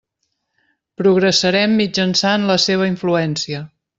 Progressarem mitjançant la seva influència.